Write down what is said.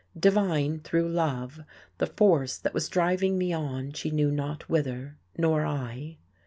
divine through love the force that was driving me on she knew not whither, nor I?